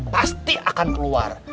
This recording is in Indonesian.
pasti akan keluar